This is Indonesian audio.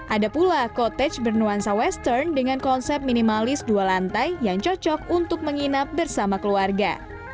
ada pula contage bernuansa western dengan konsep minimalis dua lantai yang cocok untuk menginap bersama keluarga